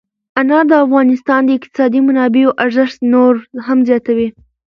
انار د افغانستان د اقتصادي منابعو ارزښت نور هم زیاتوي.